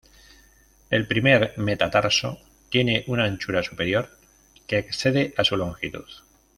El primer metatarso tiene una anchura superior que excede a su longitud.